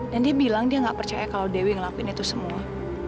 dan dia bilang dia gak percaya kalau dewi ngelakuin itu semua